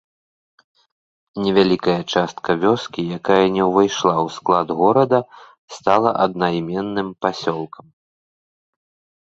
Невялікая частка вёскі, якая не ўвайшла ў склад горада, стала аднайменным пасёлкам.